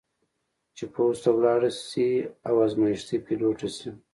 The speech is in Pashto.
چې پوځ ته ولاړه شي او ازمېښتي پیلوټه شي.